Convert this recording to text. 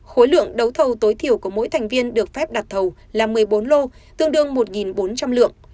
khối lượng đấu thầu tối thiểu của mỗi thành viên được phép đặt thầu là một mươi bốn lô tương đương một bốn trăm linh lượng